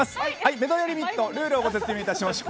メドレーリミットルールをご説明いたしましょう。